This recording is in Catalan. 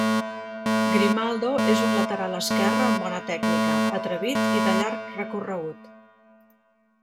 Grimaldo, és un lateral esquerre amb bona tècnica, atrevit i de llarg recorregut.